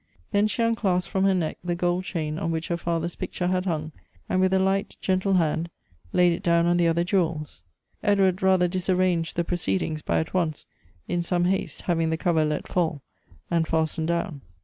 Then she unclasped from her neck the gold chain on which her father's picture had hung, and with a light gentle hand laid it down on the other jewels. Edward rather disar ranged the proceedings, by at once, in some haste, having the cover let fall, and fastened down.